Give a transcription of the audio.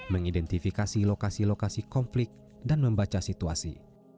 mengidentifikasi lokasi lokasi konflik dan membaca situasi